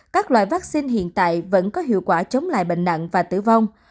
các loại vaccine hiện tại vẫn có hiệu quả chống lại bệnh nặng và tử vong